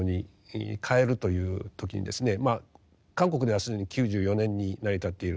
韓国では既に９４年に成り立っている。